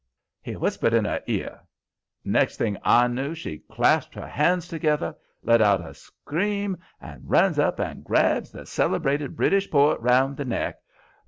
He whispered in her ear. Next thing I knew she clasped her hands together, let out a scream and runs up and grabs the celebrated British poet round the neck.